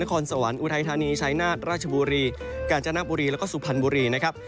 คอนสวรรค์อุทัยธานีชัยนาฏราชบุรีกาญจนบุรีแล้วก็สุพรรณบุรีนะครับ